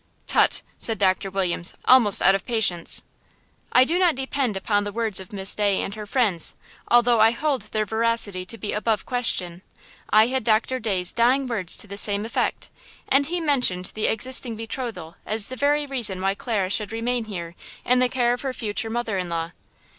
"Tut!" said Doctor Williams, almost out of patience. "I do not depend upon the words of Miss Day and her friends, although I hold their veracity to be above question; I had Doctor Day's dying words to the same effect. And he mentioned the existing betrothal as the very reason why Clara should remain here in the care of her future mother in law."